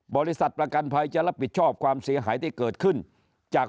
บริษัทประกันภัยจะรับผิดชอบความเสียหายที่เกิดขึ้นจาก